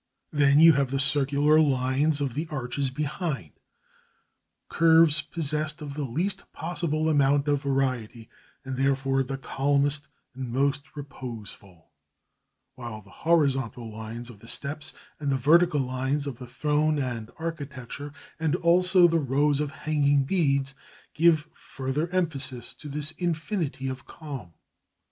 Then you have the circular lines of the arches behind, curves possessed of the least possible amount of variety and therefore the calmest and most reposeful; while the horizontal lines of the steps and the vertical lines of the throne and architecture, and also the rows of hanging beads give further emphasis to this infinity of calm.